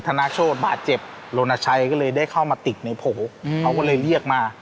ธนาโชธบาดเจ็บโรนชัยก็เลยได้เข้ามาติดในโผล่เขาก็เลยเรียกมา